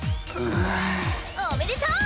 おめでとう！